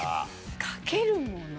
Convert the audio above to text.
かけるもの？